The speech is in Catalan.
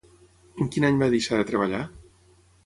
En quin any va deixar de treballar?